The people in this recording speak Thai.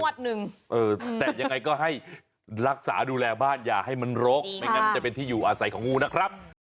แต่ยังไงก็ให้รักษาดูแลบ้านอย่าให้มันรกไม่งั้นจะเป็นที่อยู่อาศัยของงูนะครับ